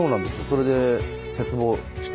それで切望して。